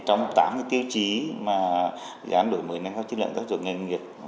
trong tám cái tiêu chí mà dự án đổi mới nâng cao chất lượng giáo dục nghề nghiệp